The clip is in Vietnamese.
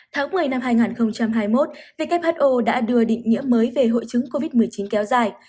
tháng một mươi năm hai nghìn hai mươi một who đã đưa định nghĩa mới về hội chứng covid một mươi chín kéo dài